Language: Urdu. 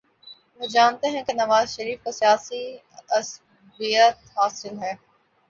وہ جانتے ہیں کہ نواز شریف کو سیاسی عصبیت حاصل ہے۔